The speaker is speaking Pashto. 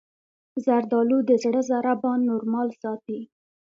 زردالو د زړه ضربان نورمال ساتي.